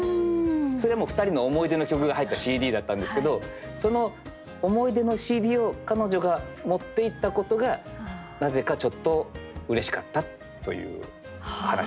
それはもう二人の思い出の曲が入ったＣＤだったんですけどその思い出のＣＤを彼女が持って行ったことがなぜかちょっとうれしかったという話でございます。